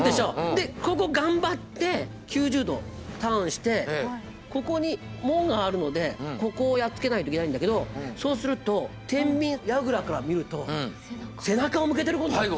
でここ頑張って９０度ターンしてここに門があるのでここをやっつけないといけないんだけどそうすると天秤櫓から見ると背中を向けてることになる。